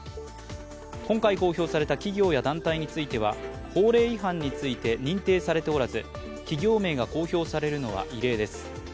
今回公表された企業や団体については法令違反について認定されておらず、企業名が公表されるのは異例です。